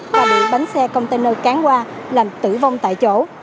và bị bánh xe container cán qua làm tử vong tại chỗ